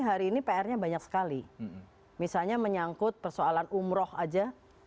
hanya menyangkut persoalan umroh aja